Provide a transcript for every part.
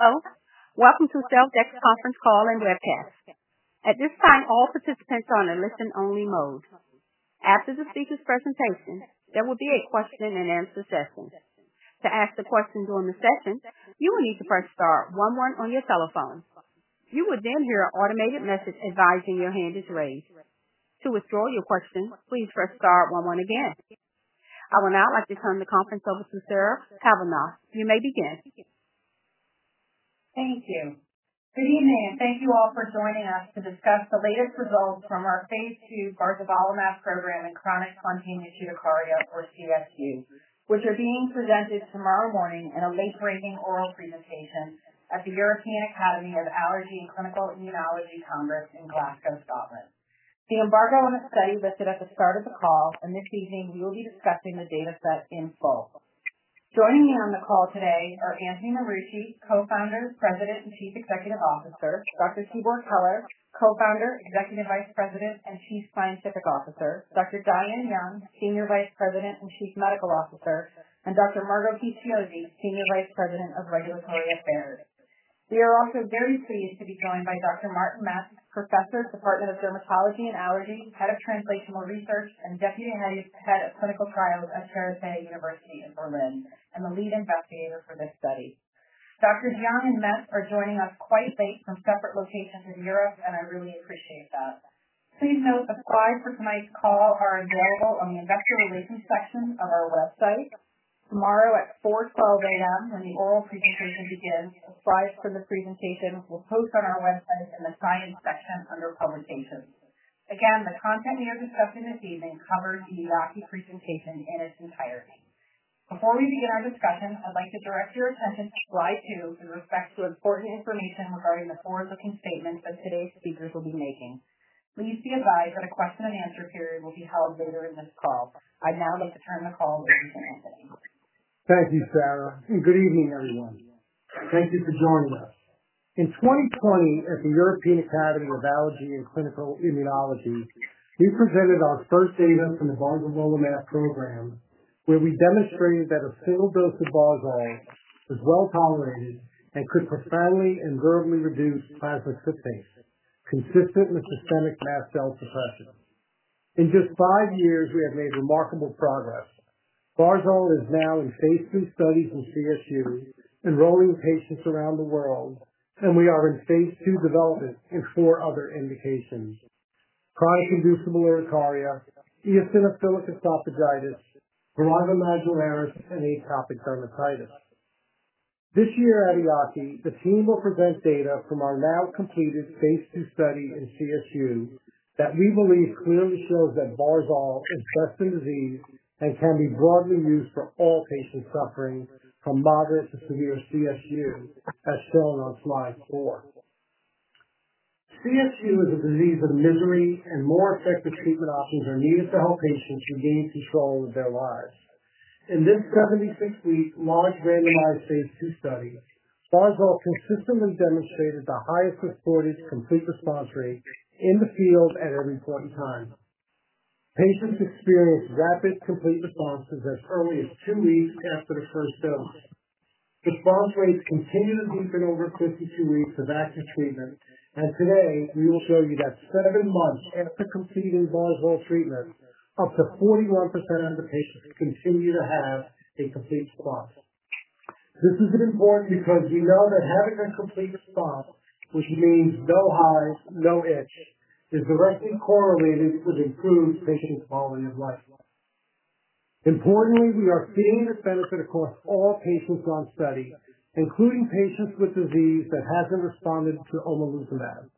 Hello. Welcome to Celldex conference call and webcast. At this time, all participants are on a listen-only mode. After the speaker's presentation, there will be a question-and-answer session. To ask a question during the session, you will need to press star one one on your telephone. You will then hear an automated message advising your hand is raised. To withdraw your question, please press star one one again. I will now like to turn the conference over to Sarah Cavanaugh. You may begin. Thank you. Good evening, and thank you all for joining us to discuss the latest results from our phase II barzolvolimab program in chronic spontaneous urticaria, or CSU, which are being presented tomorrow morning in a late-breaking oral presentation at the European Academy of Allergy and Clinical Immunology Congress in Glasgow, Scotland. The embargo on the study was set at the start of the call, and this evening we will be discussing the data set in full. Joining me on the call today are Anthony Marucci, co-founder, President, and Chief Executive Officer; Dr. Tibor Keler, co-founder, Executive Vice President, and Chief Scientific Officer; Dr. Diane Young, Senior Vice President and Chief Medical Officer; and Dr. Margo Heath-Chiozzi, Senior Vice President of Regulatory Affairs. We are also very pleased to be joined by Dr. Martin Metz, professor at the Department of Dermatology and Allergies, head of translational research, and deputy head of clinical trials at Charité – Universitätsmedizin Berlin, and the lead investigator for this study. Dr. Young and Metz are joining us quite late from separate locations in Europe, and I really appreciate that. Please note the slides for tonight's call are available on the investor relations section of our website. Tomorrow at 4:12 A.M., when the oral presentation begins, the slides for the presentation will post on our website in the science section under publications. Again, the content we are discussing this evening covers the EAACI presentation in its entirety. Before we begin our discussion, I'd like to direct your attention to slide two with respect to important information regarding the forward-looking statements that today's speakers will be making. Please be advised that a question-and-answer period will be held later in this call. I'd now like to turn the call over to Anthony. Thank you, Sarah. Good evening, everyone. Thank you for joining us. In 2020, at the European Academy of Allergy and Clinical Immunology, we presented our first data from the barzolvolimab program, where we demonstrated that a single dose of barzolvolimab was well tolerated and could profoundly and durably reduce plasma tryptase, consistent with systemic mast cell suppression. In just five years, we have made remarkable progress. Barzolvolimab is now in phase II studies in CSU, enrolling patients around the world, and we are in phase II development in four other indications: chronic inducible urticaria, eosinophilic esophagitis, viral gonorrhea, and atopic dermatitis. This year at EAACI, the team will present data from our now-completed phase II study in CSU that we believe clearly shows that barzolvolimab is best in disease and can be broadly used for all patients suffering from moderate to severe CSU, as shown on slide four. CSU is a disease of misery, and more effective treatment options are needed to help patients regain control of their lives. In this 76-week, large randomized phase II study, barzolvolimab consistently demonstrated the highest reported complete response rate in the field at every point in time. Patients experienced rapid complete responses as early as two weeks after the first dose. Response rates continue to deepen over 52 weeks of active treatment, and today we will show you that seven months after completing barzolvolimab treatment, up to 41% of the patients continue to have a complete response. This is important because we know that having a complete response, which means no hives, no itch, is directly correlated with improved patient quality of life. Importantly, we are seeing this benefit across all patients on study, including patients with disease that hasn't responded to omalizumab.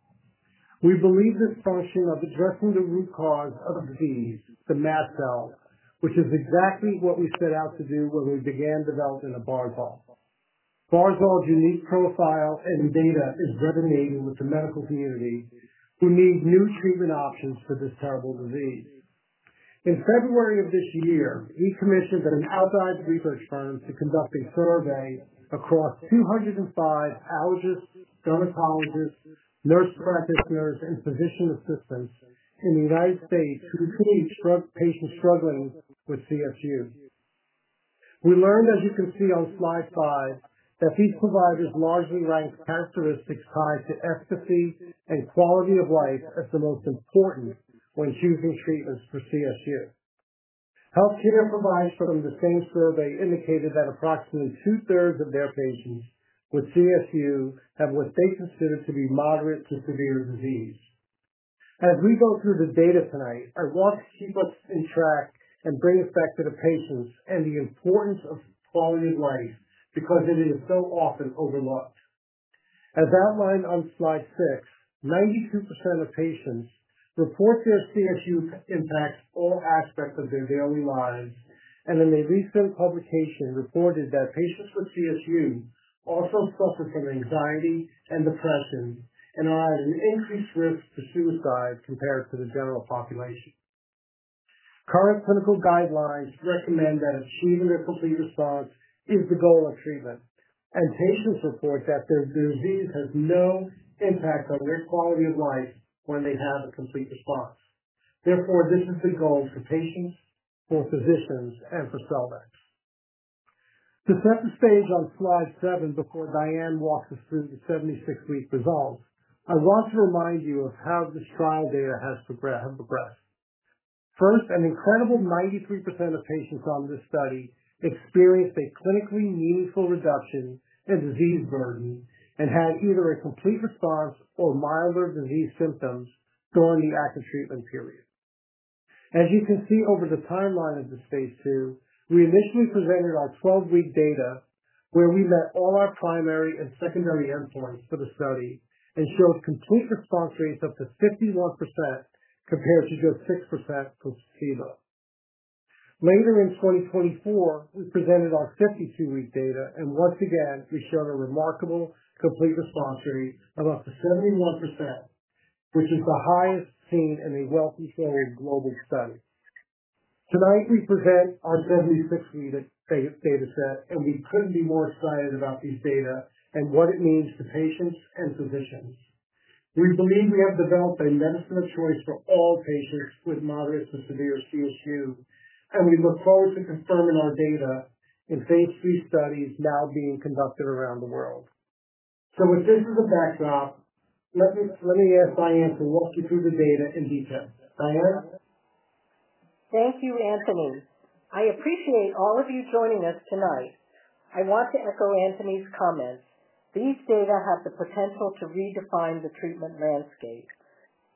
We believe this function of addressing the root cause of disease, the mast cell, which is exactly what we set out to do when we began developing the barzol. Barzol's unique profile and data is resonating with the medical community, who need new treatment options for this terrible disease. In February of this year, we commissioned an outside research firm to conduct a survey across 205 allergists, dermatologists, nurse practitioners, and physician assistants in the United States who see patients struggling with CSU. We learned, as you can see on slide five, that these providers largely ranked characteristics tied to efficacy and quality of life as the most important when choosing treatments for CSU. Healthcare providers from the same survey indicated that approximately 2/3 of their patients with CSU have what they consider to be moderate to severe disease. As we go through the data tonight, I want to keep us on track and bring us back to the patients and the importance of quality of life because it is so often overlooked. As outlined on slide six, 92% of patients report their CSU impacts all aspects of their daily lives, and in a recent publication reported that patients with CSU also suffer from anxiety and depression and are at an increased risk for suicide compared to the general population. Current clinical guidelines recommend that achieving a complete response is the goal of treatment, and patients report that their disease has no impact on their quality of life when they have a complete response. Therefore, this is the goal for patients, for physicians, and for Celldex. To set the stage on slide seven before Diane walks us through the 76-week results, I want to remind you of how this trial data has progressed. First, an incredible 93% of patients on this study experienced a clinically meaningful reduction in disease burden and had either a complete response or milder disease symptoms during the active treatment period. As you can see over the timeline of this phase II, we initially presented our 12-week data where we met all our primary and secondary endpoints for the study and showed complete response rates up to 51% compared to just 6% placebo. Later in 2024, we presented our 52-week data, and once again, we showed a remarkable complete response rate of up to 71%, which is the highest seen in a well-performed global study. Tonight, we present our 76-week data set, and we couldn't be more excited about these data and what it means to patients and physicians. We believe we have developed a medicine of choice for all patients with moderate to severe CSU, and we look forward to confirming our data in phase II studies now being conducted around the world. With this as a backdrop, let me ask Diane to walk you through the data in detail. Diane? Thank you, Anthony. I appreciate all of you joining us tonight. I want to echo Anthony's comments. These data have the potential to redefine the treatment landscape.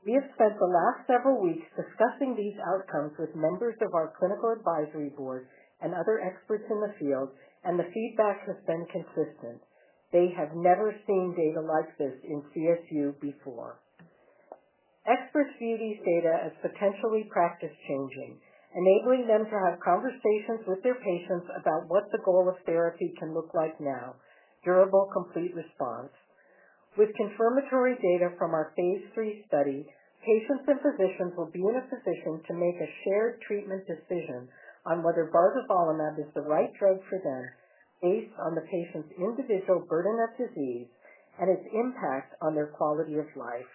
We have spent the last several weeks discussing these outcomes with members of our clinical advisory board and other experts in the field, and the feedback has been consistent. They have never seen data like this in CSU before. Experts view these data as potentially practice-changing, enabling them to have conversations with their patients about what the goal of therapy can look like now: durable complete response. With confirmatory data from our phase III study, patients and physicians will be in a position to make a shared treatment decision on whether barzolvolimab is the right drug for them based on the patient's individual burden of disease and its impact on their quality of life.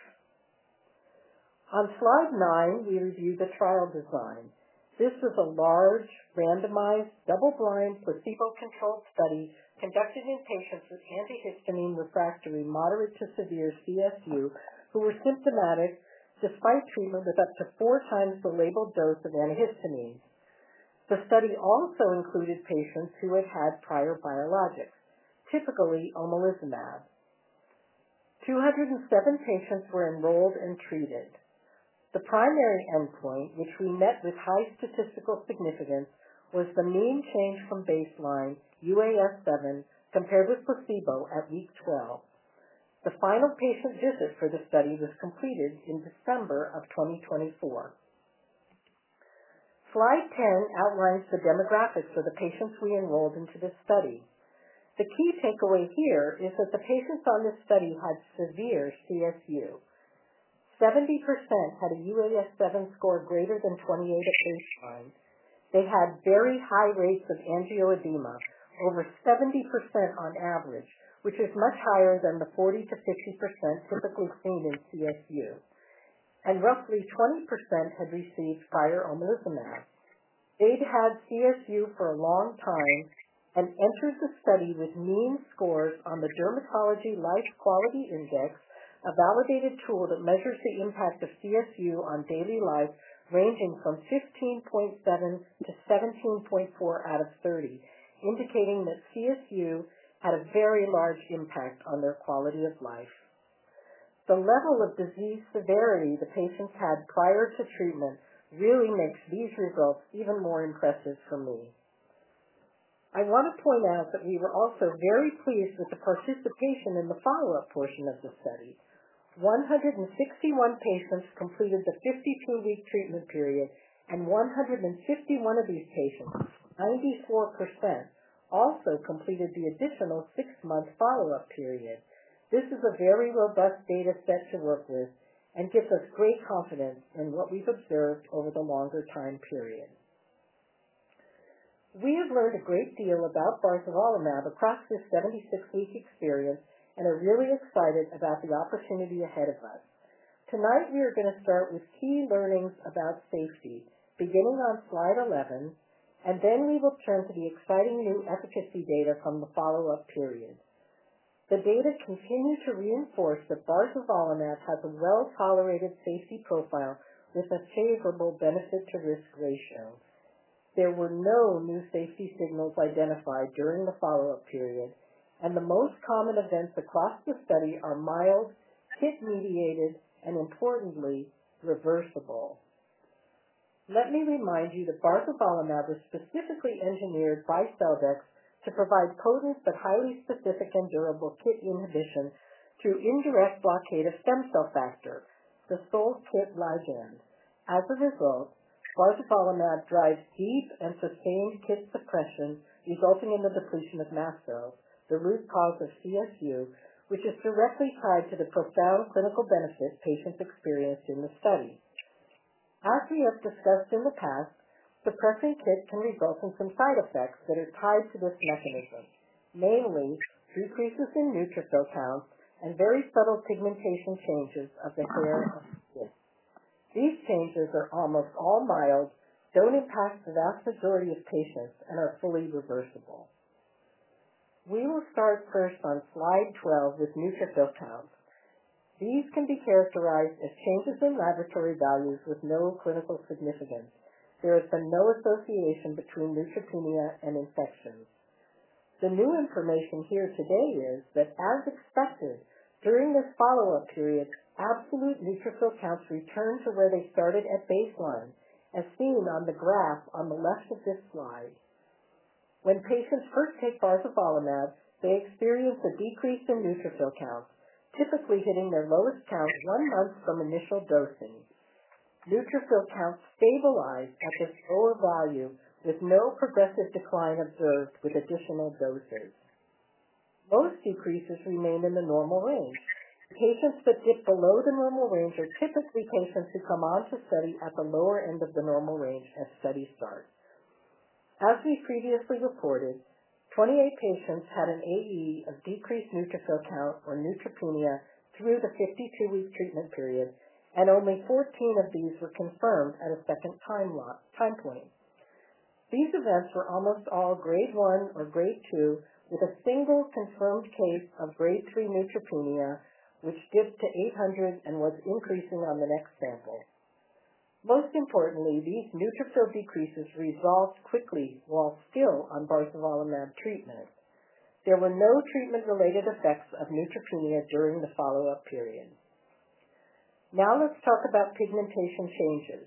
On slide nine, we reviewed the trial design. This was a large, randomized, double-blind, placebo-controlled study conducted in patients with antihistamine refractory moderate to severe CSU who were symptomatic despite treatment with up to 4x the labeled dose of antihistamines. The study also included patients who had had prior biologics, typically omalizumab. 207 patients were enrolled and treated. The primary endpoint, which we met with high statistical significance, was the mean change from baseline UAS-7 compared with placebo at week 12. The final patient visit for the study was completed in December of 2024. Slide 10 outlines the demographics of the patients we enrolled into this study. The key takeaway here is that the patients on this study had severe CSU. 70% had a UAS-7 score greater than 28 at baseline. They had very high rates of angioedema, over 70% on average, which is much higher than the 40%-50% typically seen in CSU. Roughly 20% had received prior omalizumab. They'd had CSU for a long time and entered the study with mean scores on the Dermatology Life Quality Index, a validated tool that measures the impact of CSU on daily life, ranging from 15.7-17.4 out of 30, indicating that CSU had a very large impact on their quality of life. The level of disease severity the patients had prior to treatment really makes these results even more impressive for me. I want to point out that we were also very pleased with the participation in the follow-up portion of the study. 161 patients completed the 52-week treatment period, and 151 of these patients, 94%, also completed the additional six-month follow-up period. This is a very robust data set to work with and gives us great confidence in what we've observed over the longer time period. We have learned a great deal about barzolvolimab across this 76-week experience and are really excited about the opportunity ahead of us. Tonight, we are going to start with key learnings about safety, beginning on slide 11, and then we will turn to the exciting new efficacy data from the follow-up period. The data continue to reinforce that barzolvolimab has a well-tolerated safety profile with a favorable benefit-to-risk ratio. There were no new safety signals identified during the follow-up period, and the most common events across the study are mild, KIT-mediated, and importantly, reversible. Let me remind you that barzolvolimab was specifically engineered by Celldex to provide potent but highly specific and durable KIT inhibition through indirect blockade of stem cell factor, the sole KIT ligand. As a result, barzolvolimab drives deep and sustained KIT suppression, resulting in the depletion of mast cells, the root cause of CSU, which is directly tied to the profound clinical benefit patients experienced in the study. As we have discussed in the past, suppressing KIT can result in some side effects that are tied to this mechanism, namely decreases in neutrophil counts and very subtle pigmentation changes of the hair or the skin. These changes are almost all mild, do not impact the vast majority of patients, and are fully reversible. We will start first on slide 12 with neutrophil counts. These can be characterized as changes in laboratory values with no clinical significance. There has been no association between neutropenia and infections. The new information here today is that, as expected, during this follow-up period, absolute neutrophil counts returned to where they started at baseline, as seen on the graph on the left of this slide. When patients first take barzolvolimab, they experience a decrease in neutrophil counts, typically hitting their lowest count one month from initial dosing. Neutrophil counts stabilize at this lower value with no progressive decline observed with additional doses. Most decreases remain in the normal range. Patients that dip below the normal range are typically patients who come on to study at the lower end of the normal range at study start. As we previously reported, 28 patients had an AE of decreased neutrophil count or neutropenia through the 52-week treatment period, and only 14 of these were confirmed at a second time point. These events were almost all grade one or grade two, with a single confirmed case of grade three neutropenia, which dipped to 800 and was increasing on the next sample. Most importantly, these neutrophil decreases resolved quickly while still on barzolvolimab treatment. There were no treatment-related effects of neutropenia during the follow-up period. Now let's talk about pigmentation changes.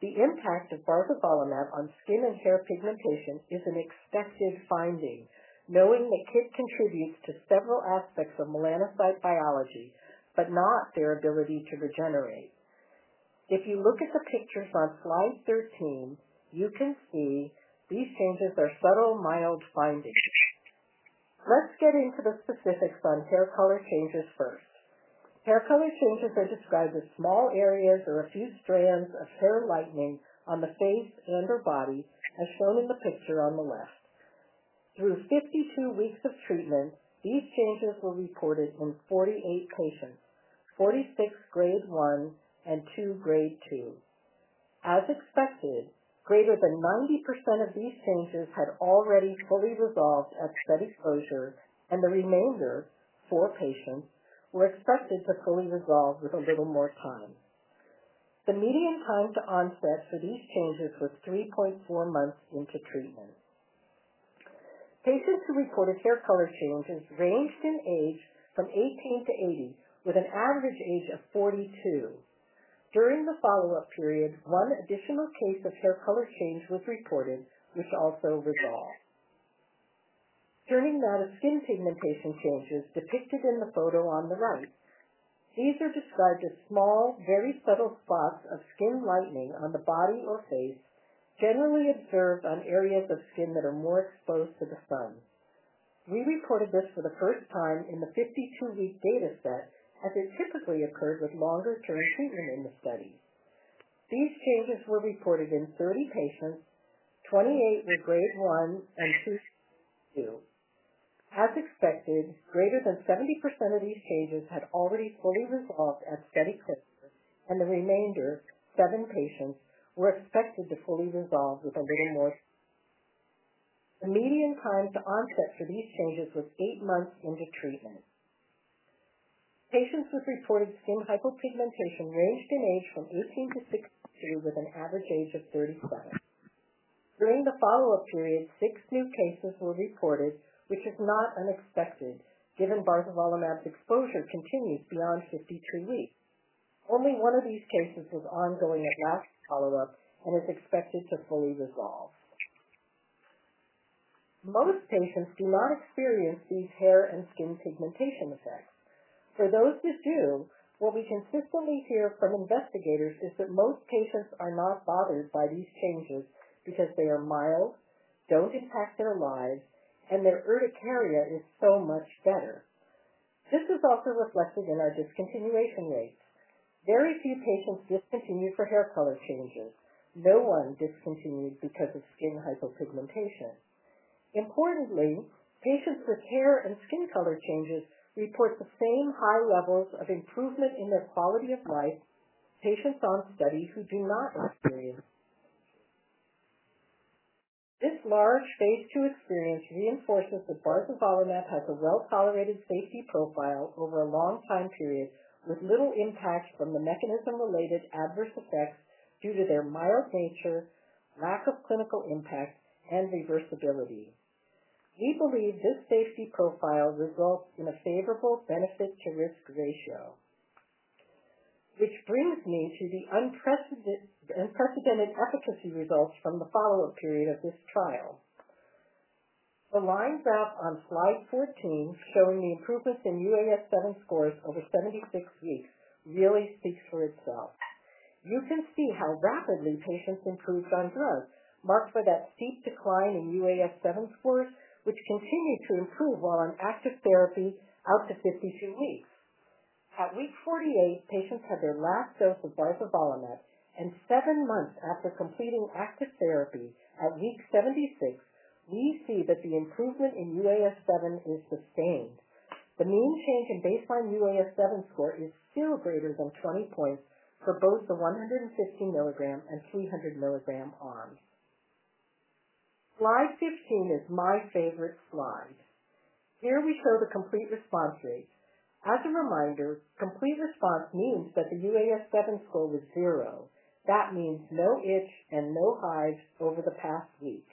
The impact of barzolvolimab on skin and hair pigmentation is an expected finding, knowing that KIT contributes to several aspects of melanocyte biology, but not their ability to regenerate. If you look at the pictures on slide 13, you can see these changes are subtle, mild findings. Let's get into the specifics on hair color changes first. Hair color changes are described as small areas or a few strands of hair lightening on the face and/or body, as shown in the picture on the left. Through 52 weeks of treatment, these changes were reported in 48 patients, 46 grade one and two grade two. As expected, greater than 90% of these changes had already fully resolved at study closure, and the remainder, four patients, were expected to fully resolve with a little more time. The median time to onset for these changes was 3.4 months into treatment. Patients who reported hair color changes ranged in age from 18-80, with an average age of 42. During the follow-up period, one additional case of hair color change was reported, which also resolved. Turning now to skin pigmentation changes depicted in the photo on the right. These are described as small, very subtle spots of skin lightening on the body or face, generally observed on areas of skin that are more exposed to the sun. We reported this for the first time in the 52-week data set, as it typically occurred with longer-term treatment in the study. These changes were reported in 30 patients, 28 were grade one and two grade two. As expected, greater than 70% of these changes had already fully resolved at study closure, and the remainder, seven patients, were expected to fully resolve with a little more. The median time to onset for these changes was eight months into treatment. Patients with reported skin hypopigmentation ranged in age from 18-62, with an average age of 37. During the follow-up period, six new cases were reported, which is not unexpected given barzolvolimab's exposure continues beyond 52 weeks. Only one of these cases was ongoing at last follow-up and is expected to fully resolve. Most patients do not experience these hair and skin pigmentation effects. For those that do, what we consistently hear from investigators is that most patients are not bothered by these changes because they are mild, do not impact their lives, and their urticaria is so much better. This is also reflected in our discontinuation rates. Very few patients discontinued for hair color changes. No one discontinued because of skin hypopigmentation. Importantly, patients with hair and skin color changes report the same high levels of improvement in their quality of life. Patients on study who do not experience this large phase II experience reinforces that barzolvolimab has a well-tolerated safety profile over a long time period, with little impact from the mechanism-related adverse effects due to their mild nature, lack of clinical impact, and reversibility. We believe this safety profile results in a favorable benefit-to-risk ratio, which brings me to the unprecedented efficacy results from the follow-up period of this trial. The lines up on slide 14, showing the improvements in UAS-7 scores over 76 weeks, really speaks for itself. You can see how rapidly patients improved on drugs, marked by that steep decline in UAS-7 scores, which continued to improve while on active therapy out to 52 weeks. At week 48, patients had their last dose of barzolvolimab, and seven months after completing active therapy, at week 76, we see that the improvement in UAS-7 is sustained. The mean change in baseline UAS-7 score is still greater than 20 points for both the 150 mg and 300 mg arms. Slide 15 is my favorite slide. Here we show the complete response rate. As a reminder, complete response means that the UAS-7 score was zero. That means no itch and no hives over the past week.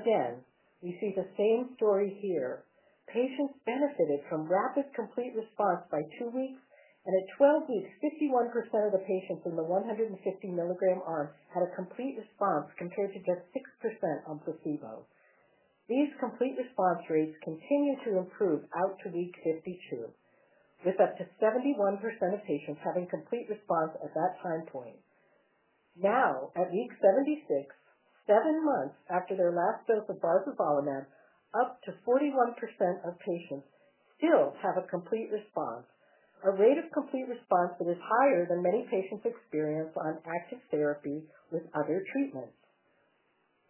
Again, we see the same story here. Patients benefited from rapid complete response by two weeks, and at 12 weeks, 51% of the patients in the 150 mg arm had a complete response compared to just 6% on placebo. These complete response rates continue to improve out to week 52, with up to 71% of patients having complete response at that time point. Now, at week 76, seven months after their last dose of barzolvolimab, up to 41% of patients still have a complete response, a rate of complete response that is higher than many patients experience on active therapy with other treatments.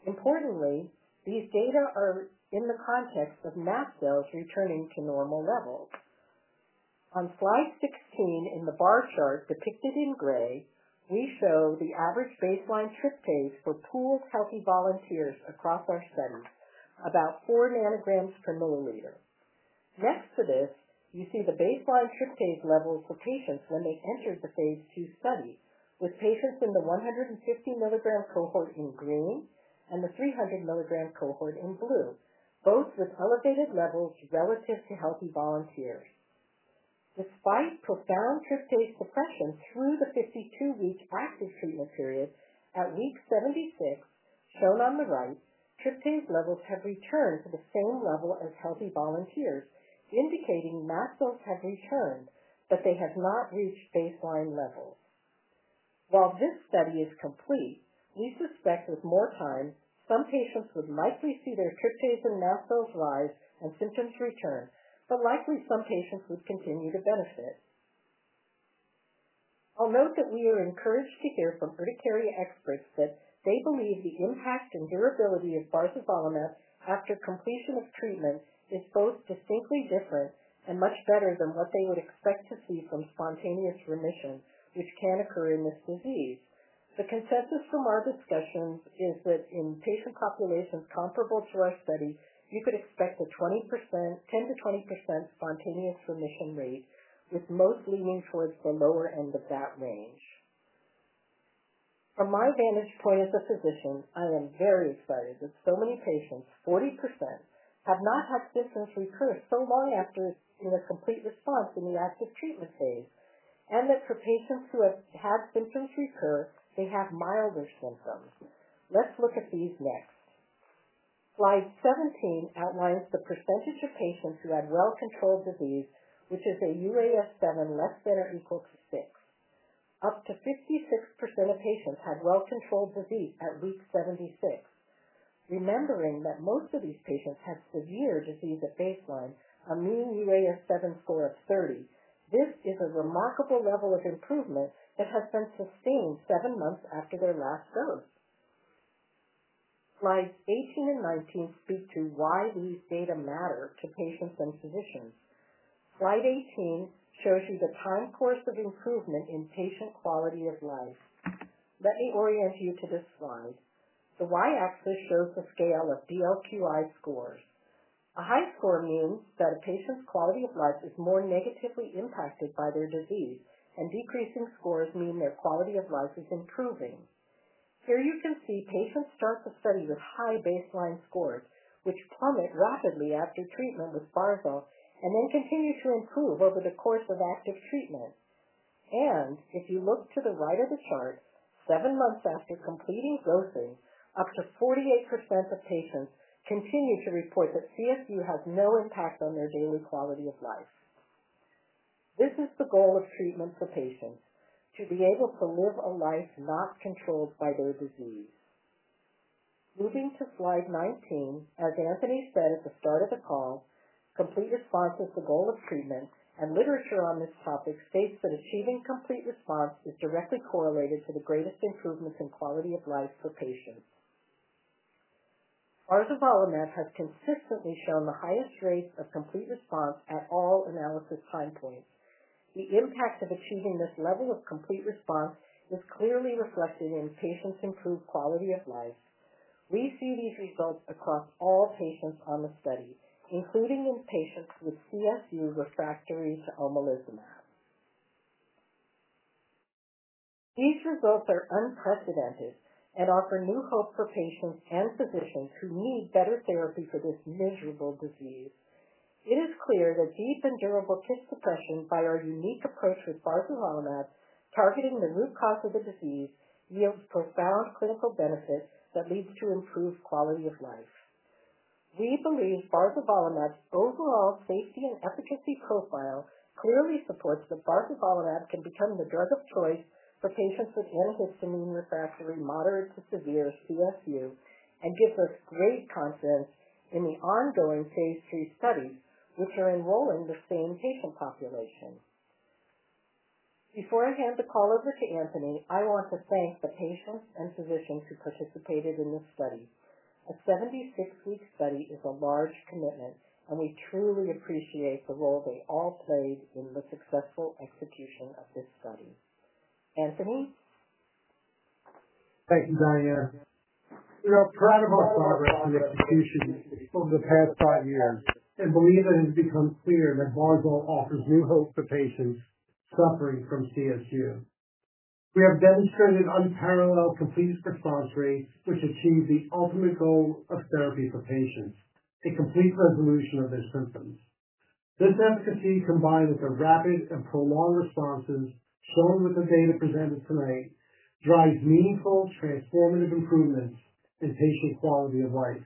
Importantly, these data are in the context of mast cells returning to normal levels. On slide 16, in the bar chart depicted in gray, we show the average baseline tryptase for pooled healthy volunteers across our study, about 4 nanograms per milliliter. Next to this, you see the baseline tryptase levels for patients when they entered the phase II study, with patients in the 150 mg cohort in green and the 300 mg cohort in blue, both with elevated levels relative to healthy volunteers. Despite profound tryptase suppression through the 52-week active treatment period, at week 76, shown on the right, tryptase levels have returned to the same level as healthy volunteers, indicating mast cells have returned, but they have not reached baseline levels. While this study is complete, we suspect with more time, some patients would likely see their tryptase and mast cells rise and symptoms return, but likely some patients would continue to benefit. I'll note that we are encouraged to hear from urticaria experts that they believe the impact and curability of barzolvolimab after completion of treatment is both distinctly different and much better than what they would expect to see from spontaneous remission, which can occur in this disease. The consensus from our discussions is that in patient populations comparable to our study, you could expect a 10%-20% spontaneous remission rate, with most leaning towards the lower end of that range. From my vantage point as a physician, I am very excited that so many patients, 40%, have not had symptoms recur so long after seeing a complete response in the active treatment phase, and that for patients who have had symptoms recur, they have milder symptoms. Let's look at these next. Slide 17 outlines the percentage of patients who had well-controlled disease, which is a UAS-7 less than or equal to 6. Up to 56% of patients had well-controlled disease at week 76. Remembering that most of these patients had severe disease at baseline, a mean UAS-7 score of 30, this is a remarkable level of improvement that has been sustained seven months after their last dose. Slides 18 and 19 speak to why these data matter to patients and physicians. Slide 18 shows you the time course of improvement in patient quality of life. Let me orient you to this slide. The y-axis shows the scale of DLQI scores. A high score means that a patient's quality of life is more negatively impacted by their disease, and decreasing scores mean their quality of life is improving. Here you can see patients start the study with high baseline scores, which plummet rapidly after treatment with barzol, and then continue to improve over the course of active treatment. If you look to the right of the chart, seven months after completing dosing, up to 48% of patients continue to report that CSU has no impact on their daily quality of life. This is the goal of treatment for patients: to be able to live a life not controlled by their disease. Moving to slide 19, as Anthony said at the start of the call, complete response is the goal of treatment, and literature on this topic states that achieving complete response is directly correlated to the greatest improvements in quality of life for patients. Barzolvolimab has consistently shown the highest rates of complete response at all analysis time points. The impact of achieving this level of complete response is clearly reflected in patients' improved quality of life. We see these results across all patients on the study, including in patients with CSU refractory to omalizumab. These results are unprecedented and offer new hope for patients and physicians who need better therapy for this miserable disease. It is clear that deep and durable KIT suppression, by our unique approach with barzolvolimab, targeting the root cause of the disease, yields profound clinical benefit that leads to improved quality of life. We believe barzolvolimab's overall safety and efficacy profile clearly supports that barzolvolimab can become the drug of choice for patients with antihistamine refractory moderate to severe CSU, and gives us great confidence in the ongoing phase III studies, which are enrolling the same patient population. Before I hand the call over to Anthony, I want to thank the patients and physicians who participated in this study. A 76-week study is a large commitment, and we truly appreciate the role they all played in the successful execution of this study. Anthony. Thank you, Diane. We are proud of our progress and execution over the past five years, and believe that it has become clear that barzolvolimab offers new hope for patients suffering from CSU. We have demonstrated unparalleled complete response rate, which achieved the ultimate goal of therapy for patients: a complete resolution of their symptoms. This efficacy, combined with the rapid and prolonged responses shown with the data presented tonight, drives meaningful transformative improvements in patient quality of life.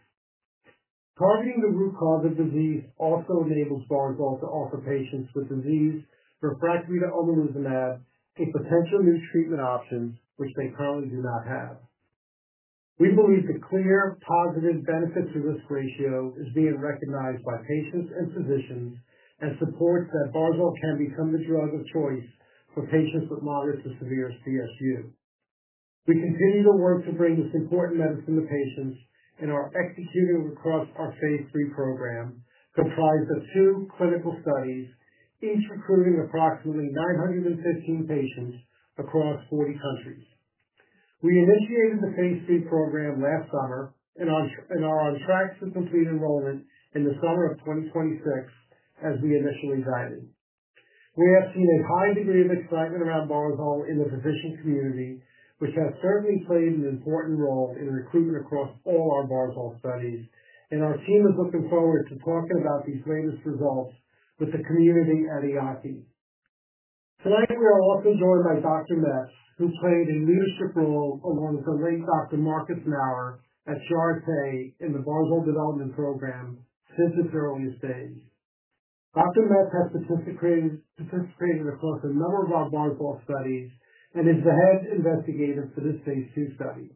Targeting the root cause of disease also enables barzolvolimab to offer patients with disease refractory to omalizumab a potential new treatment option, which they currently do not have. We believe the clear positive benefit-to-risk ratio is being recognized by patients and physicians, and supports that barzolvolimab can become the drug of choice for patients with moderate to severe CSU. We continue to work to bring this important medicine to patients in our executing across our phase III program, comprised of two clinical studies, each recruiting approximately 915 patients across 40 countries. We initiated the phase III program last summer and are on track to complete enrollment in the summer of 2026, as we initially guided. We have seen a high degree of excitement around barzol in the physician community, which has certainly played an important role in recruitment across all our barzol studies, and our team is looking forward to talking about these latest results with the community at EAACI. Tonight, we are also joined by Dr. Metz, who played a leadership role along with the late Dr. Marcus Maurer at Charité in the barzol development program since its earliest days. Dr. Metz has participated across a number of our barzol studies and is the head investigator for this phase II study.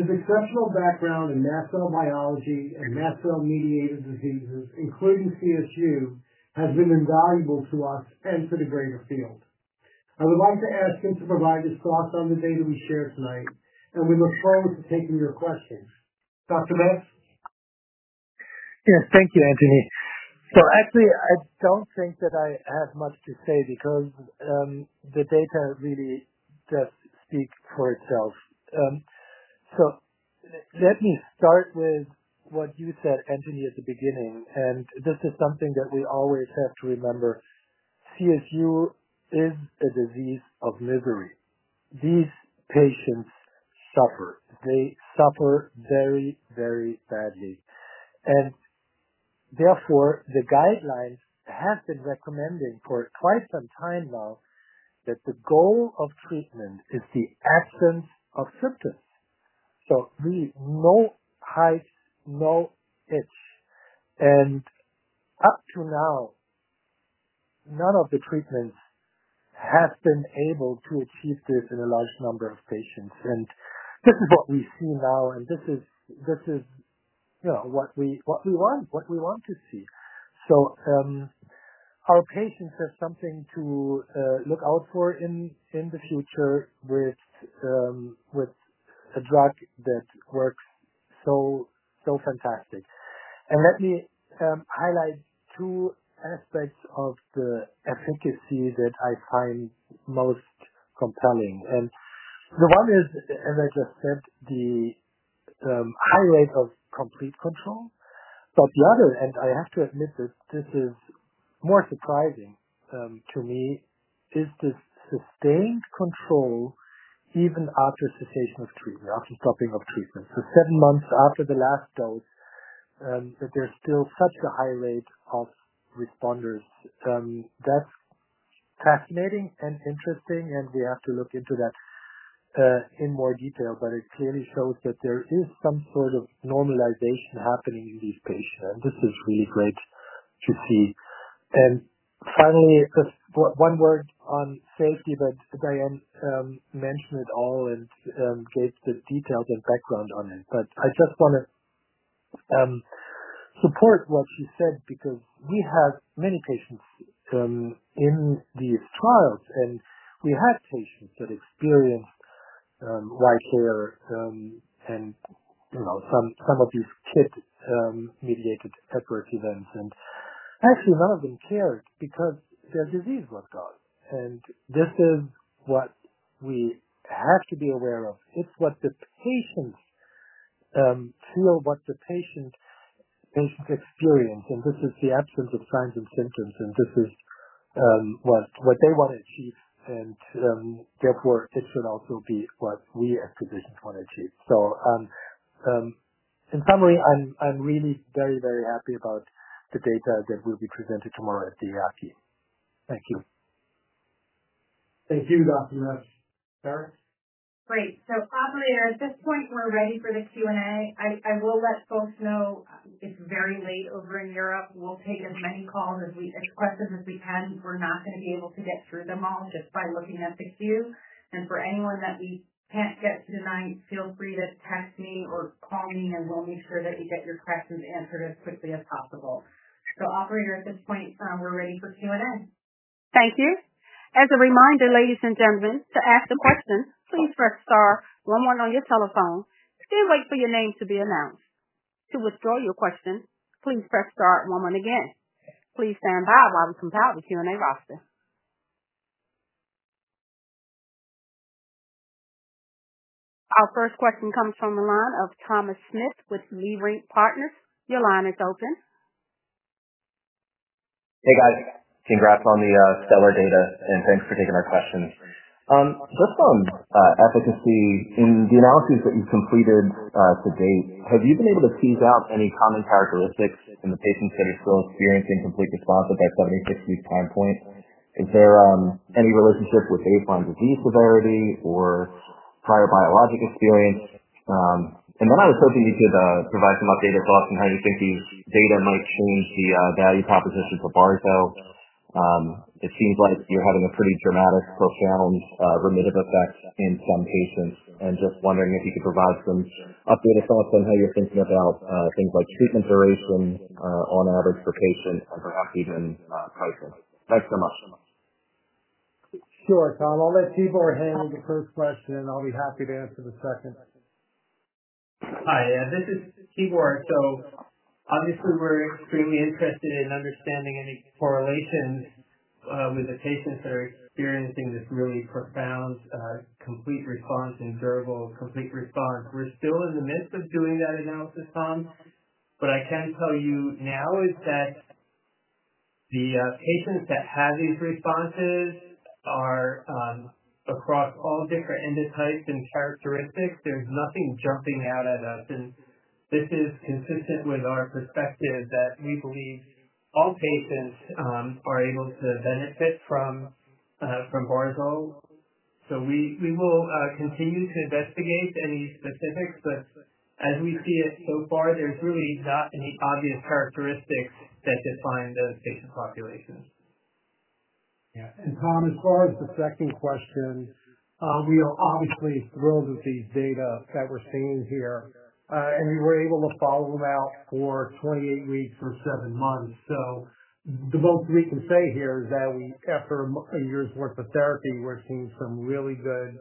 His exceptional background in mast cell biology and mast cell mediated diseases, including CSU, has been invaluable to us and to the greater field. I would like to ask him to provide his thoughts on the data we share tonight, and we look forward to taking your questions. Dr. Metz. Yes, thank you, Anthony. Actually, I don't think that I have much to say because the data really does speak for itself. Let me start with what you said, Anthony, at the beginning, and this is something that we always have to remember: CSU is a disease of misery. These patients suffer. They suffer very, very badly. Therefore, the guidelines have been recommending for quite some time now that the goal of treatment is the absence of symptoms. Really, no hives, no itch. Up to now, none of the treatments have been able to achieve this in a large number of patients. This is what we see now, and this is what we want to see. Our patients have something to look out for in the future with a drug that works so fantastic. Let me highlight two aspects of the efficacy that I find most compelling. The one is, as I just said, the high rate of complete control. The other, and I have to admit that this is more surprising to me, is the sustained control even after cessation of treatment, after stopping of treatment. Seven months after the last dose, there is still such a high rate of responders. That is fascinating and interesting, and we have to look into that in more detail, but it clearly shows that there is some sort of normalization happening in these patients, and this is really great to see. Finally, one word on safety, but Diane mentioned it all and gave the details and background on it. I just want to support what she said because we have many patients in these trials, and we had patients that experienced hypopigmentation and some of these KIT-mediated adverse events, and actually none of them cared because their disease was gone. This is what we have to be aware of. It is what the patients feel, what the patients experience, and this is the absence of signs and symptoms, and this is what they want to achieve, and therefore it should also be what we as physicians want to achieve. In summary, I'm really very, very happy about the data that will be presented tomorrow at the EAACI. Thank you. Thank you, Dr. Metz.Sarah? Great. Clava, at this point, we're ready for the Q&A. I will let folks know it's very late over in Europe. We'll take as many questions as we can. We're not going to be able to get through them all just by looking at the queue. For anyone that we can't get tonight, feel free to text me or call me, and we'll make sure that you get your questions answered as quickly as possible. Operator, at this point, we're ready for Q&A. Thank you. As a reminder, ladies and gentlemen, to ask a question, please press star one on your telephone. Then wait for your name to be announced. To withdraw your question, please press star one again. Please stand by while we compile the Q&A roster. Our first question comes from Thomas Smith with Leerink Partners. Your line is open. Hey, guys. Congrats on the stellar data, and thanks for taking our questions. Just on efficacy, in the analysis that you've completed to date, have you been able to tease out any common characteristics in the patients that are still experiencing complete response at that 76-week time point? Is there any relationship with baseline disease severity or prior biologic experience? I was hoping you could provide some updated thoughts on how you think these data might change the value proposition for barzol. It seems like you're having a pretty dramatic profound remitted effect in some patients, and just wondering if you could provide some updated thoughts on how you're thinking about things like treatment duration on average per patient, and perhaps even pricing. Thanks so much. Sure. Tom, I'll let Tibor handle the first question, and I'll be happy to answer the second. Hi. This is Tibor. Obviously, we're extremely interested in understanding any correlations with the patients that are experiencing this really profound complete response and durable complete response. We're still in the midst of doing that analysis, Tom, but what I can tell you now is that the patients that have these responses are across all different endotypes and characteristics. There's nothing jumping out at us, and this is consistent with our perspective that we believe all patients are able to benefit from barzol. We will continue to investigate any specifics, but as we see it so far, there's really not any obvious characteristics that define the patient population. Yeah. Tom, as far as the second question, we are obviously thrilled with these data that we're seeing here, and we were able to follow them out for 28 weeks or seven months. The most we can say here is that after a year's worth of therapy, we're seeing some really good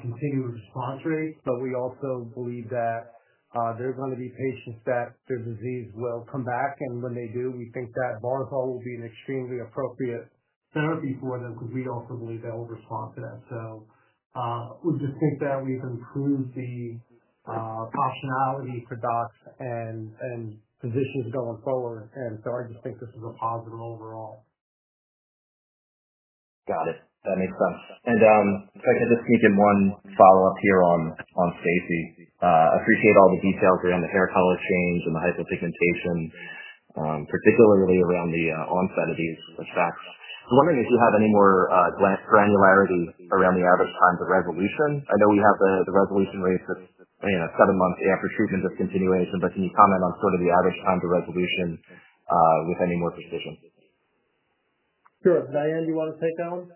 continued response rates, but we also believe that there are going to be patients that their disease will come back, and when they do, we think that barzol will be an extremely appropriate therapy for them because we also believe they'll respond to that. We just think that we've improved the optionality for docs and physicians going forward, and I just think this is a positive overall. Got it. That makes sense. If I could just sneak in one follow-up here on safety. I appreciate all the details around the hair color change and the hypopigmentation, particularly around the onset of these effects. I'm wondering if you have any more granularity around the average time to resolution. I know we have the resolution rate that's seven months after treatment discontinuation, but can you comment on sort of the average time to resolution with any more precision? Sure. Diane, do you want to take that one?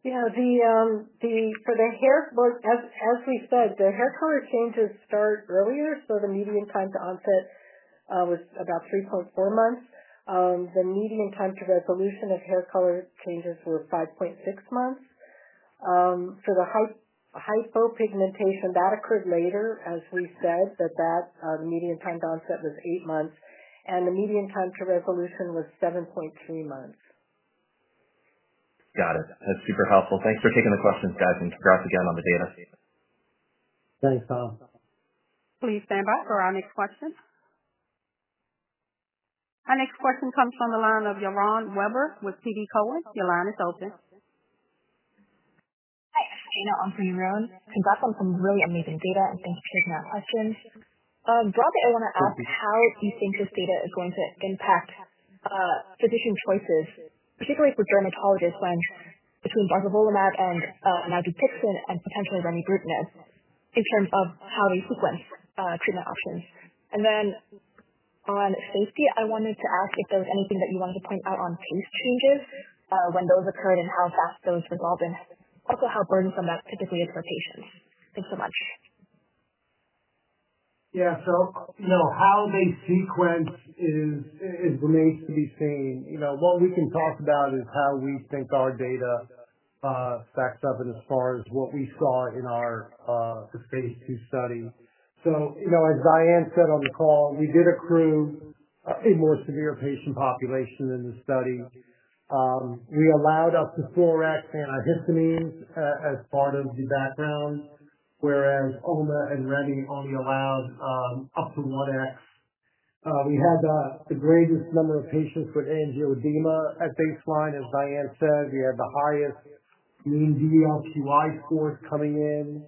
Yeah. For the hair, as we said, the hair color changes start earlier, so the median time to onset was about 3.4 months. The median time to resolution of hair color changes were 5.6 months. For the hypopigmentation, that occurred later, as we said, that the median time to onset was eight months, and the median time to resolution was 7.3 months. Got it. That's super helpful. Thanks for taking the questions, guys, and congrats again on the data. Thanks, Tom. Please stand by for our next question. Our next question comes from the line of Yaron Weber with TD Cowen. Your line is open. Hi. This is Dana on for Yaron. Congrats on some really amazing data, and thank you for taking our questions. Broadly, I want to ask how you think this data is going to impact physician choices, particularly for dermatologists between barzolvolimab and naltipixin and potentially remibrutinib in terms of how they sequence treatment options. On safety, I wanted to ask if there was anything that you wanted to point out on pace changes when those occurred and how fast those resolved, and also how burdensome that typically is for patients. Thanks so much. Yeah. How they sequence remains to be seen. What we can talk about is how we think our data stacks up as far as what we saw in our phase II study. As Diane said on the call, we did accrue a more severe patient population in the study. We allowed up to 4x antihistamines as part of the background, whereas OMA and Remy only allowed up to 1x. We had the greatest number of patients with angioedema at baseline, as Diane said. We had the highest mean DLQI scores coming in.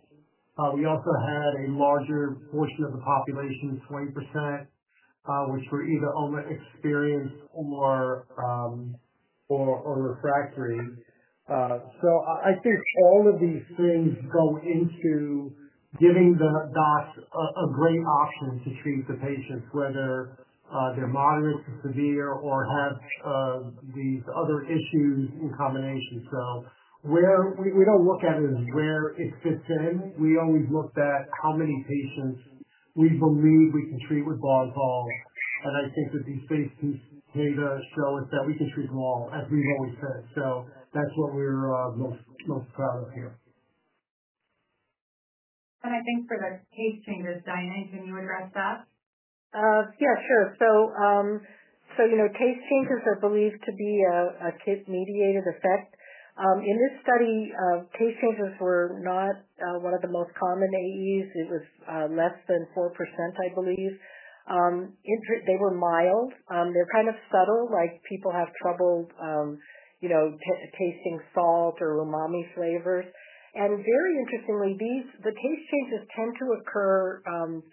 We also had a larger portion of the population, 20%, which were either OMA experienced or refractory. I think all of these things go into giving the docs a great option to treat the patients, whether they're moderate to severe or have these other issues in combination. We don't look at it as where it fits in. We always looked at how many patients we believe we can treat with barzol, and I think that these phase II data show us that we can treat them all, as we've always said. That's what we're most proud of here. I think for the pace changes, Diane, can you address that? Yeah, sure. Pace changes are believed to be a KIT-mediated effect. In this study, pace changes were not one of the most common AEs. It was less than 4%, I believe. They were mild. They're kind of subtle, like people have trouble tasting salt or umami flavors. Very interestingly, the pace changes tend to occur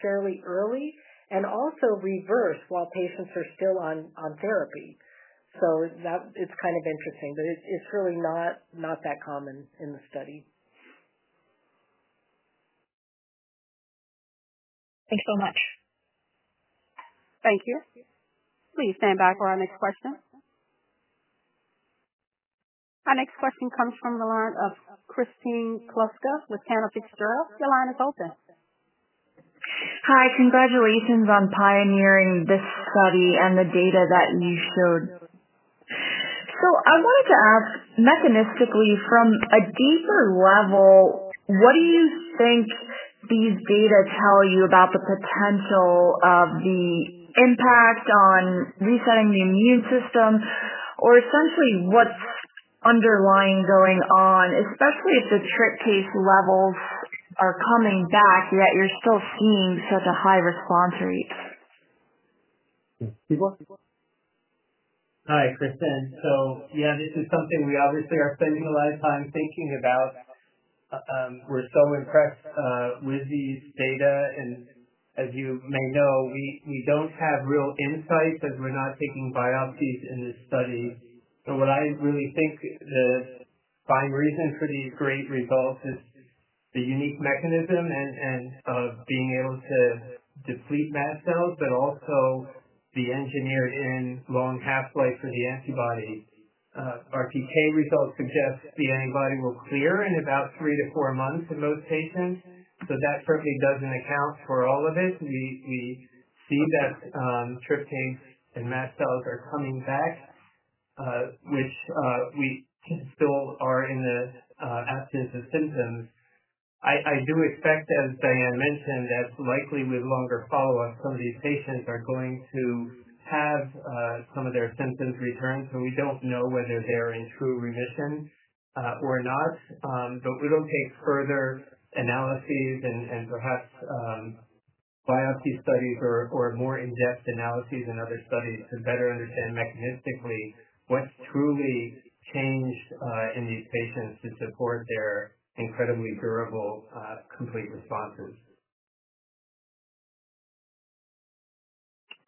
fairly early and also reverse while patients are still on therapy. It is kind of interesting, but it is really not that common in the study. Thanks so much. Thank you. Please stand back for our next question. Our next question comes from the line of Kristin Kloska with Canofix Duro. Your line is open. Hi. Congratulations on pioneering this study and the data that you showed. I wanted to ask mechanistically, from a deeper level, what do you think these data tell you about the potential of the impact on resetting the immune system or essentially what's underlying going on, especially if the tryptase levels are coming back, yet you're still seeing such a high response rate? Tibor? Hi, Kristin. Yeah, this is something we obviously are spending a lot of time thinking about. We're so impressed with these data, and as you may know, we don't have real insights as we're not taking biopsies in this study. What I really think the prime reason for these great results is the unique mechanism and of being able to deplete mast cells, but also the engineered-in long half-life for the antibody. Our PK results suggest the antibody will clear in about three to four months in most patients, so that certainly does not account for all of it. We see that trick case and mast cells are coming back, which we still are in the absence of symptoms. I do expect, as Diane mentioned, that likely with longer follow-up, some of these patients are going to have some of their symptoms return, so we do not know whether they are in true remission or not, but we will take further analyses and perhaps biopsy studies or more in-depth analyses in other studies to better understand mechanistically what has truly changed in these patients to support their incredibly durable complete responses.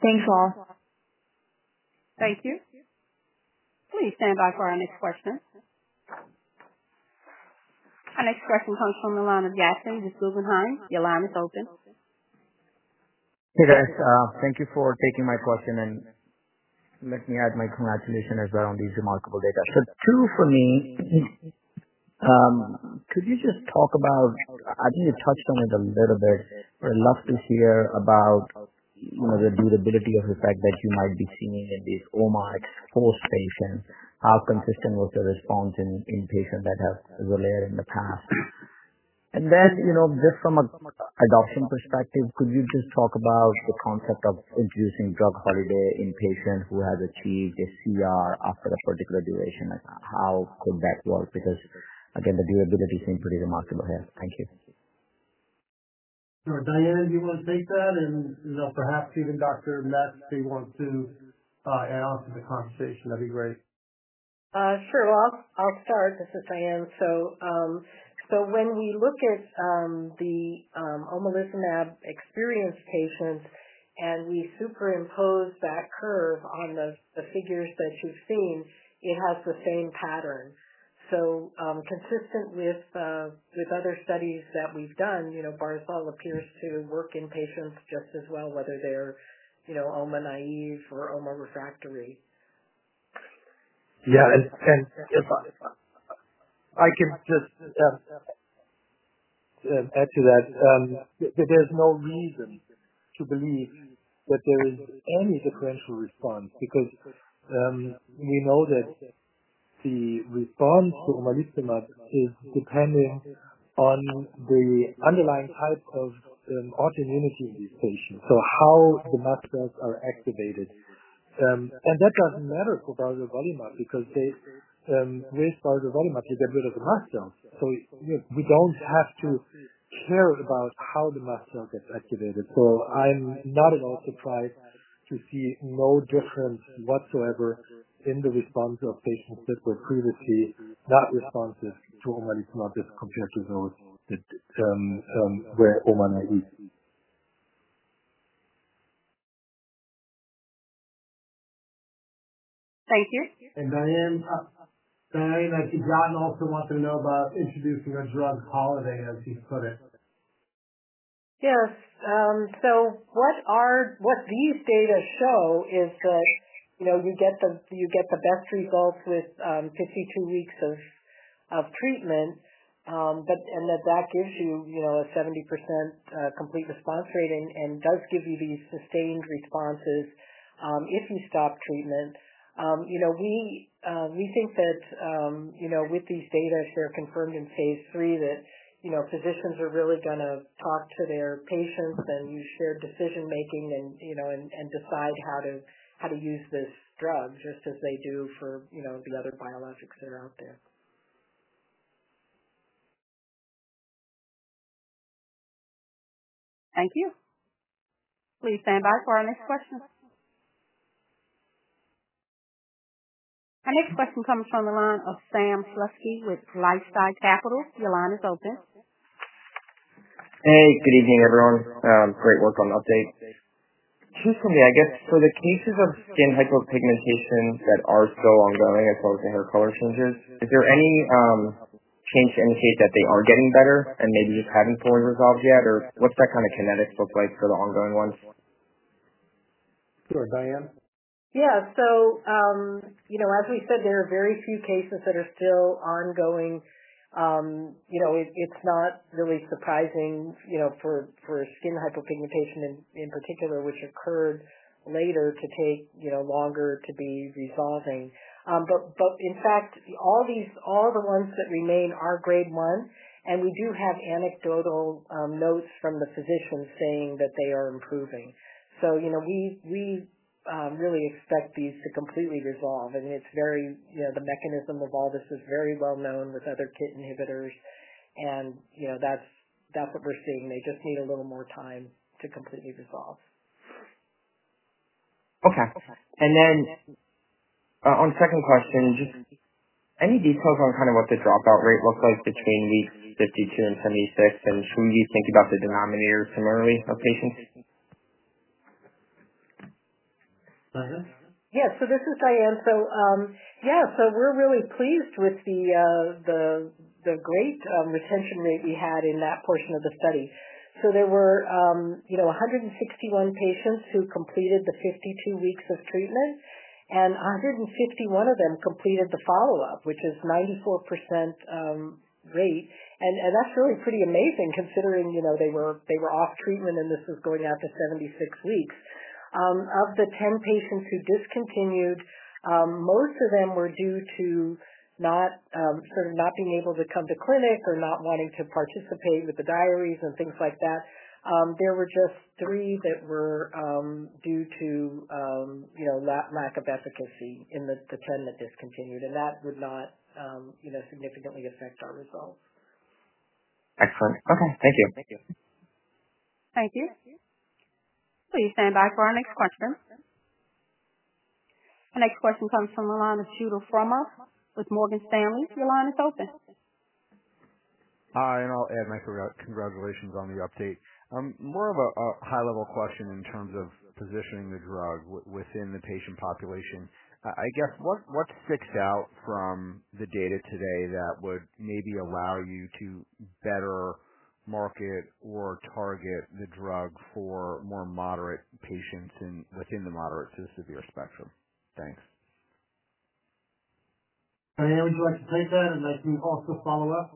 Thanks, all. Thank you. Please stand back for our next question. Our next question comes from the line of Yasin Guggenheim. Your line is open. Hey, guys. Thank you for taking my question, and let me add my congratulations as well on these remarkable data. Two, for me, could you just talk about—I think you touched on it a little bit—but I'd love to hear about the durability of the fact that you might be seeing in these OMA exposed patients. How consistent was the response in patients that have relayed in the past? And then just from an adoption perspective, could you just talk about the concept of introducing drug holiday in patients who have achieved a CR after a particular duration? How could that work? Because, again, the durability seemed pretty remarkable here. Thank you. Sure. Diane, do you want to take that? And perhaps even Dr. Metz, if you want to add on to the conversation, that'd be great. Sure. I'll start. This is Diane. When we look at the omalizumab-experienced patients and we superimpose that curve on the figures that you've seen, it has the same pattern. Consistent with other studies that we've done, barzolvolimab appears to work in patients just as well, whether they're OMA naive or OMA refractory. Yeah. I can just add to that. There is no reason to believe that there is any differential response because we know that the response to omalizumab is depending on the underlying type of autoimmunity in these patients, so how the mast cells are activated. That does not matter for barzolvolimab because with barzolvolimab, you get rid of the mast cells. We do not have to care about how the mast cell gets activated. I'm not at all surprised to see no difference whatsoever in the response of patients that were previously not responsive to omalizumab compared to those that were OMA naive. Thank you. Diane, I think John also wanted to know about introducing a drug holiday, as he put it. Yes. What these data show is that you get the best results with 52 weeks of treatment, and that gives you a 70% complete response rate and does give you these sustained responses if you stop treatment. We think that with these data, if they're confirmed in phase III, physicians are really going to talk to their patients and use shared decision-making and decide how to use this drug, just as they do for the other biologics that are out there. Thank you. Please stand back for our next question. Our next question comes from the line of Sam Cholesky with Lifestyle Capital. Your line is open. Hey. Good evening, everyone. Great work on the update. Just for me, I guess, for the cases of skin hypopigmentation that are still ongoing as well as the hair color changers, is there any change to indicate that they are getting better and maybe just haven't fully resolved yet? What's that kind of kinetics look like for the ongoing ones? Sure. Diane? Yeah. As we said, there are very few cases that are still ongoing. It's not really surprising for skin hypopigmentation in particular, which occurred later, to take longer to be resolving. In fact, all the ones that remain are grade one, and we do have anecdotal notes from the physicians saying that they are improving. We really expect these to completely resolve, and the mechanism of all this is very well known with other KIT inhibitors, and that's what we're seeing. They just need a little more time to completely resolve. Okay. On the second question, just any details on kind of what the dropout rate looks like between weeks 52 and 76, and should we be thinking about the denominator similarly of patients? Diane? Yeah. This is Diane. Yeah, we're really pleased with the great retention rate we had in that portion of the study. There were 161 patients who completed the 52 weeks of treatment, and 151 of them completed the follow-up, which is a 94% rate. That's really pretty amazing considering they were off treatment, and this was going out to 76 weeks. Of the 10 patients who discontinued, most of them were due to sort of not being able to come to clinic or not wanting to participate with the diaries and things like that. There were just three that were due to lack of efficacy in the 10 that discontinued, and that would not significantly affect our results. Excellent. Okay. Thank you. Thank you. Thank you. Please stand back for our next question. Our next question comes from the line of Judo Fromo with Morgan Stanley. Your line is open. Hi. And I'll add my congratulations on the update. More of a high-level question in terms of positioning the drug within the patient population. I guess what sticks out from the data today that would maybe allow you to better market or target the drug for more moderate patients within the moderate to severe spectrum? Thanks. Diane, would you like to take that, and I can also follow up?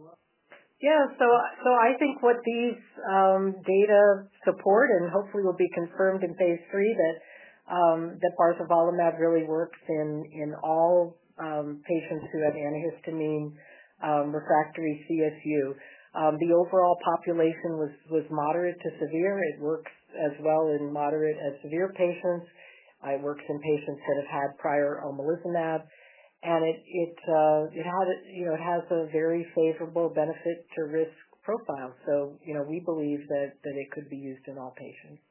Yeah. I think what these data support, and hopefully will be confirmed in phase III, that barzolvolimab really works in all patients who have antihistamine refractory CSU. The overall population was moderate to severe. It works as well in moderate as severe patients. It works in patients that have had prior omalizumab, and it has a very favorable benefit-to-risk profile. We believe that it could be used in all patients.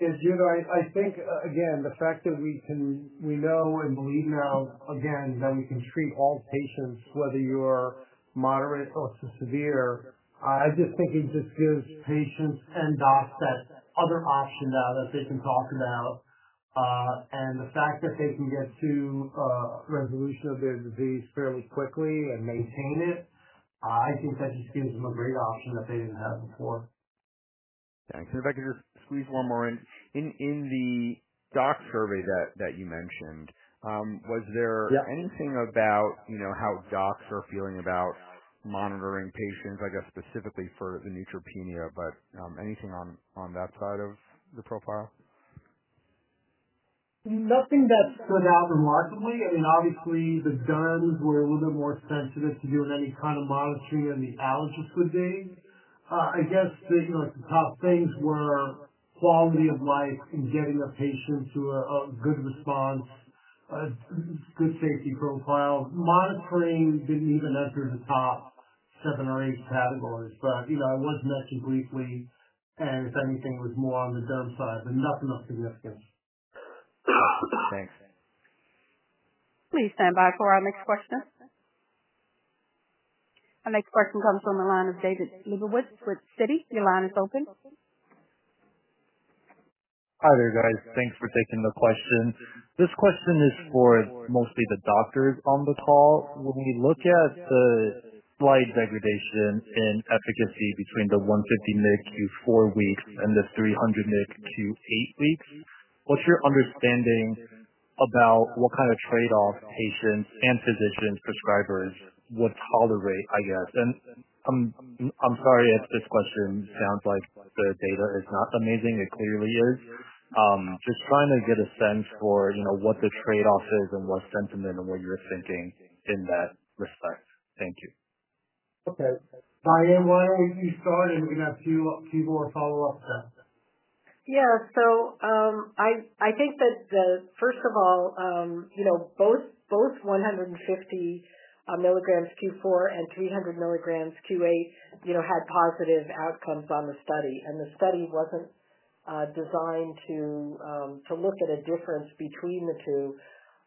Yeah. Judo, I think, again, the fact that we know and believe now, again, that we can treat all patients, whether you're moderate or severe, I just think it just gives patients and docs that other option now that they can talk about. The fact that they can get to resolution of their disease fairly quickly and maintain it, I think that just gives them a great option that they did not have before. Thanks. If I could just squeeze one more in. In the doc survey that you mentioned, was there anything about how docs are feeling about monitoring patients, I guess, specifically for the neutropenia, but anything on that side of the profile? Nothing that stood out remarkably. I mean, obviously, the general practitioners were a little bit more sensitive to doing any kind of monitoring than the allergists would be. I guess the top things were quality of life and getting a patient to a good response, good safety profile. Monitoring did not even enter the top seven or eight categories, but it was mentioned briefly, and if anything, it was more on the general practitioner side, but nothing of significance. Thanks. Please stand back for our next question. Our next question comes from the line of David Lebowitz with CITI. Your line is open. Hi there, guys. Thanks for taking the question. This question is for mostly the doctors on the call. When we look at the slight degradation in efficacy between the 150 mg q4 weeks and the 300 mg q8 weeks, what's your understanding about what kind of trade-off patients and physicians, prescribers would tolerate, I guess? I'm sorry if this question sounds like the data is not amazing. It clearly is. Just trying to get a sense for what the trade-off is and what sentiment and what you're thinking in that respect. Thank you. Okay. Diane, why don't you start, and we're going to have Tibor follow up. Yeah. I think that, first of all, both 150 mg q4 and 300 mg q8 had positive outcomes on the study, and the study was not designed to look at a difference between the two.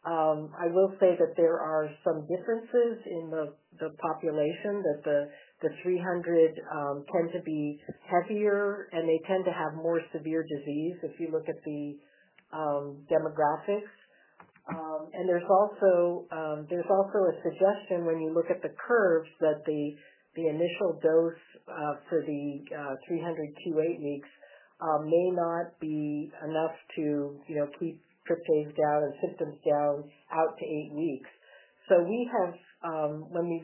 I will say that there are some differences in the population, that the 300 tend to be heavier, and they tend to have more severe disease if you look at the demographics. There is also a suggestion when you look at the curves that the initial dose for the 300 q8 weeks may not be enough to keep tryptase down and symptoms down out to eight weeks. When we have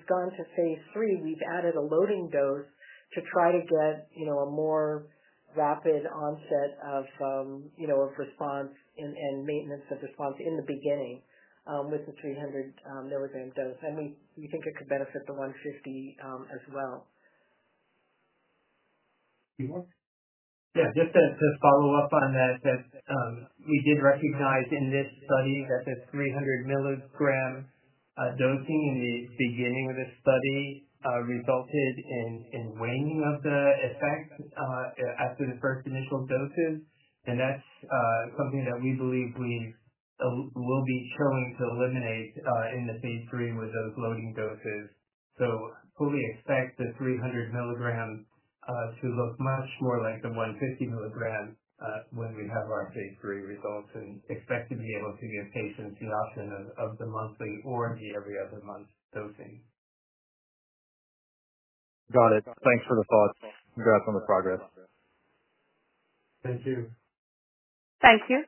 gone to phase III, we have added a loading dose to try to get a more rapid onset of response and maintenance of response in the beginning with the 300 mg dose. We think it could benefit the 150 as well. Yeah. Just to follow up on that, we did recognize in this study that the 300 mg dosing in the beginning of the study resulted in waning of the effect after the first initial doses. That is something that we believe we will be showing to eliminate in the phase III with those loading doses. I fully expect the 300 mg to look much more like the 150 mg when we have our phase III results and expect to be able to give patients the option of the monthly or the every other month dosing. Got it. Thanks for the thoughts. Congrats on the progress. Thank you. Thank you.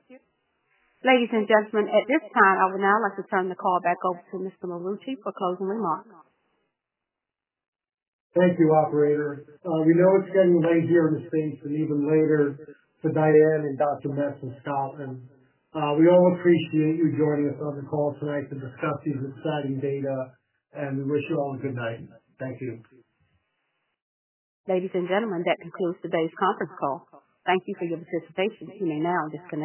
Ladies and gentlemen, at this time, I would now like to turn the call back over to Mr. Marucci for closing remarks. Thank you, Operator. We know it's getting late here in the states and even later for Diane and Dr. Metz and Scott. We all appreciate you joining us on the call tonight to discuss these exciting data, and we wish you all a good night. Thank you. Ladies and gentlemen, that concludes today's conference call. Thank you for your participation. You may now disconnect.